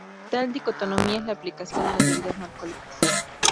Tal dicotomía es de aplicación a las bebidas no alcohólicas.